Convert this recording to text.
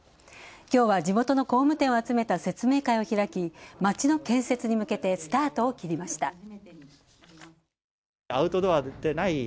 きょうは地元の工務店を集めた説明会を開き街の建設に向けてスタートを切りました。